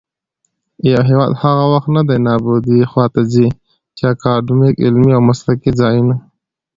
يـو هـېواد هغـه وخـت دې نـابـودۍ خـواته ځـي ،چـې اکـادميـک، عـلمـي او مـسلـکي ځـايـونــه